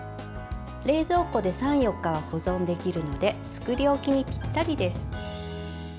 冷蔵庫で３４日は保存できるので作り置きにぴったりです。